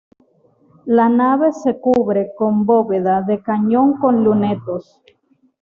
La nave se cubre con bóveda de cañón con lunetos.